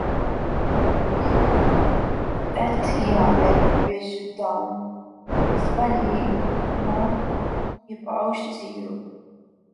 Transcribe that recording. X'qed jagħmel biex dawn l-iżbalji ma jibqgħux isiru?